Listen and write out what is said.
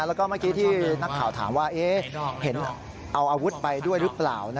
แล้วก็เมื่อกี้ที่นักข่าวถามว่าเห็นเอาอาวุธไปด้วยหรือเปล่า